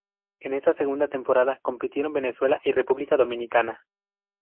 En esta Segunda temporada compitieron Venezuela y República Dominicana.